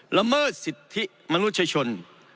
ละเมิดสิทธิมนุษยชน